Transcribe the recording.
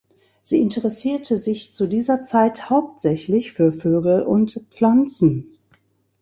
Sie interessierte sich zu dieser Zeit hauptsächlich für Vögel und Pflanzen.